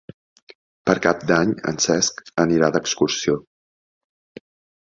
Per Cap d'Any en Cesc anirà d'excursió.